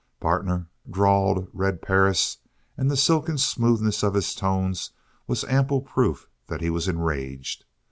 "Partner," drawled Red Perris, and the silken smoothness of his tones was ample proof that he was enraged.